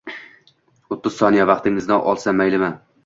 o'ttiz soniya vaqtingizni olsam maylimi?